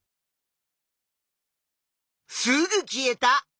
すぐ消えた。